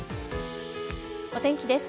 お天気です。